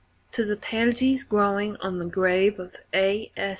_ TO THE PANSIES GROWING ON THE GRAVE OF A.